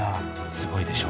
すごいでしょ？